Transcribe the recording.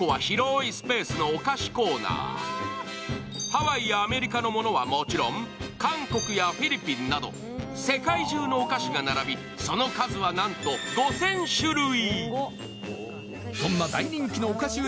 ハワイやアメリカのものはもちろん、韓国やフィリピンなど世界中のお菓子が並びその数はなんと５０００種類。